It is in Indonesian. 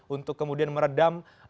untuk kemudian meredam